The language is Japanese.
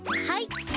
はい！